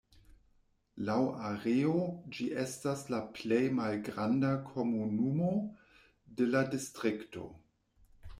Laŭ areo ĝi estas la plej malgranda komunumo de la distrikto.